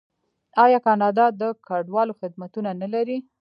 آیا کاناډا د کډوالو خدمتونه نلري؟